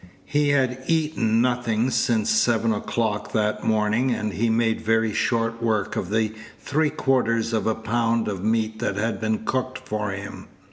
He had eaten nothing since seven o'clock that morning, and he made very short work of the three quarters of a pound of meat that had been cooked for him.